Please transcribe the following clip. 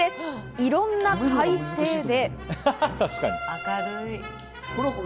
いろんな体勢で。